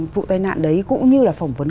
vụ tai nạn đấy cũng như là phỏng vấn